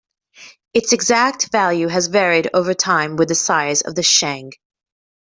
Its exact value has varied over time with the size of the "sheng".